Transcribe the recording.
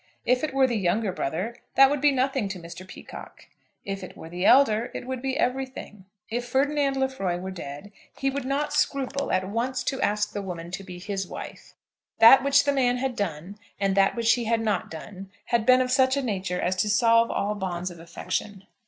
If it were the younger brother, that would be nothing to Mr. Peacocke. If it were the elder, it would be everything. If Ferdinand Lefroy were dead, he would not scruple at once to ask the woman to be his wife. That which the man had done, and that which he had not done, had been of such a nature as to solve all bonds of affection.